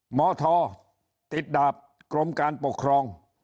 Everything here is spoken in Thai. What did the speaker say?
หมอทติดดาบกรมการปกครอง